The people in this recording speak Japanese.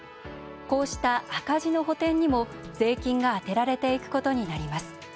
こうした赤字の補填にも税金が充てられていくことになります。